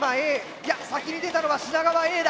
いや先に出たのは品川Ａだ。